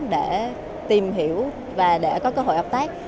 để tìm hiểu và để có cơ hội hợp tác